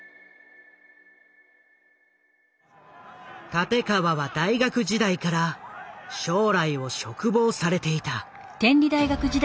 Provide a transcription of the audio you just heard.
立川は大学時代から将来を嘱望されていた。